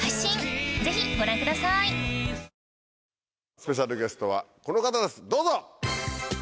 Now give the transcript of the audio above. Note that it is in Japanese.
スペシャルゲストはこの方ですどうぞ！